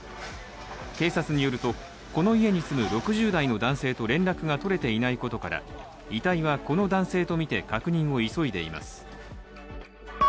警察によると、この家に住む６０代の男性と連絡が取れていないことから遺体は、この男性とみて確認を急いでいます。